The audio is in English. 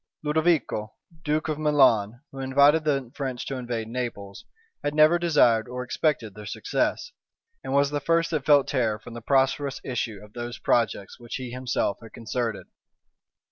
Ludovico, duke of Milan, who invited the French to invade Naples, had never desired or expected their success; and was the first that felt terror from the prosperous issue of those projects which he himself had concerted.